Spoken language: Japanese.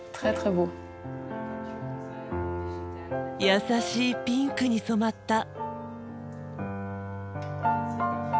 やさしいピンクに染まった。